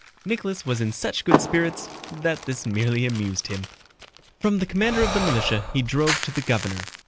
Nicholas was in such good spirits that this merely amused him. From the commander of the militia he drove to the governor.